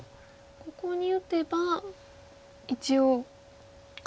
ここに打てば一応白も。